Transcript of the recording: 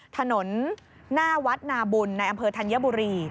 ถนนหน้าวัดนาบุญในอำเภอธัญบุรี